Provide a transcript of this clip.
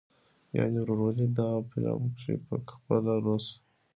يعنې "وروولي". دغه فلم کښې پخپله روس